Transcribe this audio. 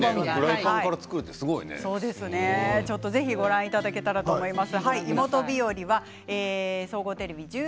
ぜひご覧いただけたらと思います。